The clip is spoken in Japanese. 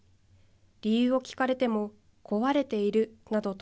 理由を聞かれても壊れているなどと、